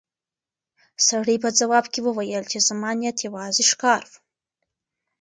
سړي په ځواب کې وویل چې زما نیت یوازې ښکار و.